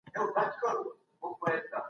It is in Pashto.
د نېکو پايله نېکه وي.